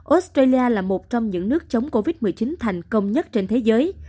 australia là một trong những nước chống covid một mươi chín thành công nhất trên thế giới